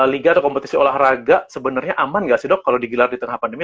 liga atau kompetisi olahraga sebenarnya aman nggak sih dok kalau digelar di tengah pandemi